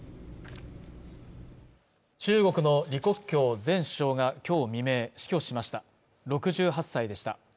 中国の李克強前首相がきょう未明死去しました６８歳でした